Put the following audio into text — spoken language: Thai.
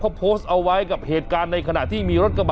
เขาโพสต์เอาไว้กับเหตุการณ์ในขณะที่มีรถกระบะ